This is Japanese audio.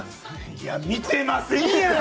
いや見てませんやん！